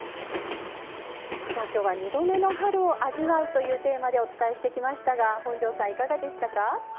今日は「２度目の春を味わう」というテーマにお伝えしてきましたが、本上さんいかがでしたか？